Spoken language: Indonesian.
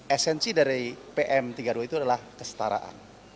esensi dari pm tiga puluh dua itu adalah kestaraan